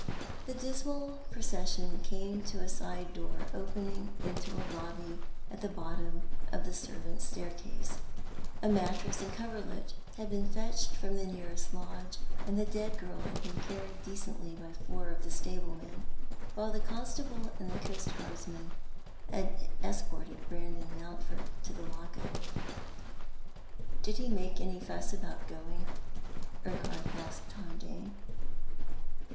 The dismal procession came to a side door opening into a lobby at the bottom of the servants' staircase. A mattress and a coverlet had been fetched from the nearest lodge, and the dead girl had been carried decently by four of the stablemen, while the constable and the coastguardsman had escorted Brandon Mountford to the lock up. "Did he make any fuss about going?" Urquhart asked Tom Dane.